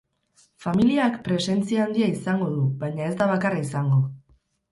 Familiak presentzia handia izango du, baina ez da bakarra izango.